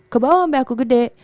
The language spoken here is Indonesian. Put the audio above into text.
ke bawah sampai aku gede